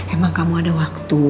emang kamu ada waktu